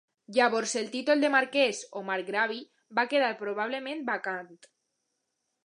Llavors el títol de marquès o marcgravi va quedar probablement vacant.